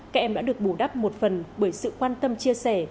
các em đã được bù đắp một phần bởi sự quan tâm chia sẻ